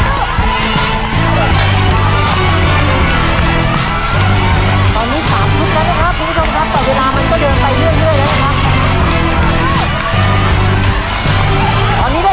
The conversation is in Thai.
ตอนนี้๓ทุ่มแล้วนะครับคุณผู้ชมครับแต่เวลามันก็เดินไปเรื่อยแล้วนะครับ